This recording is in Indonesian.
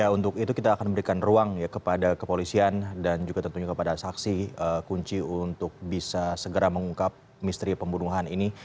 untuk itu kita akan berikan ruang ya kepada kepolisian dan juga tentunya kepada saksi kunci untuk bisa segera mengungkap misteri pembunuhan ini